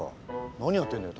何やってんだよ